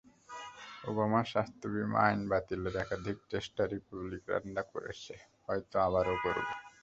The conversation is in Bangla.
ওবামার স্বাস্থ্যবিমা আইন বাতিলের একাধিক চেষ্টা রিপাবলিকানরা করেছে, হয়তো আবারও করবে।